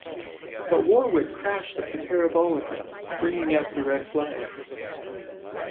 But Warwick crashed at the Parabolica, bringing out the red flags.